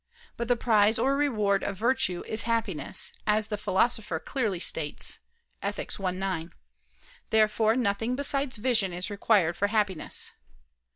But the prize or reward of virtue is happiness, as the Philosopher clearly states (Ethic. i, 9). Therefore nothing besides vision is required for happiness.